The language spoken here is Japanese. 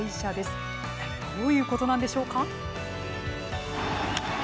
一体どういうことなんでしょうか。